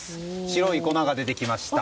白い粉が出てきました。